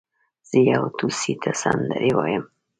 زه بو توسې ته سندرې ويايم.